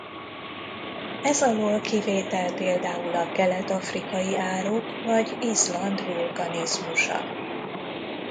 Ez alól kivétel például a kelet-afrikai árok vagy Izland vulkanizmusa.